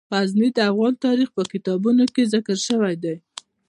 غزني د افغان تاریخ په کتابونو کې ذکر شوی دي.